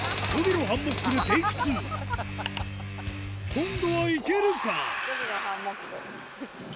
今度はいけるか？